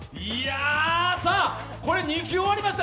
これ、２球終わりました、